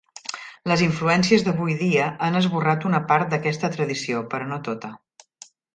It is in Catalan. Les influències d'avui dia han esborrat una part d'aquesta tradició, però no tota.